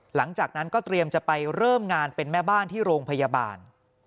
หลังจากนั้นก็เตรียมจะไปเริ่มงานเป็นแม่บ้านที่โรงพยาบาล